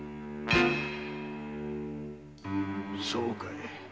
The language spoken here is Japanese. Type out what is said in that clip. そうかい。